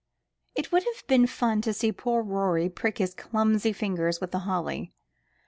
It would have been fun to see poor Rorie prick his clumsy fingers with the holly.